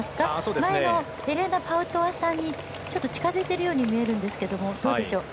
前のエレナ・パウトワさんに近づいてるように見えるんですけどどうでしょう。